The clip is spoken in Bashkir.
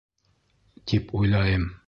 ... тип уйлайым